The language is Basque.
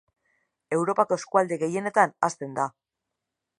Europako eskualde gehienetan hazten da.